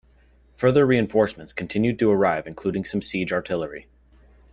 Further reinforcements continued to arrive including some siege artillery.